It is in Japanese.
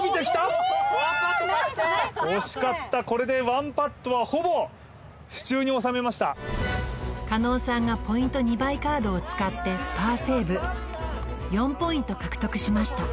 ナイスナイスナイス惜しかったこれでワンパットはほぼ手中に収めました狩野さんがポイント２倍カードを使ってパーセーブ４ポイント獲得しました